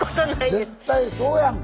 絶対そうやんか！